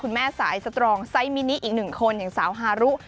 คุณแม่สายสตรองไซส์มินิอีก๑คนอย่างสาวฮารุ